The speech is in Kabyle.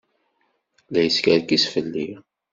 La yeskerkis fell-i.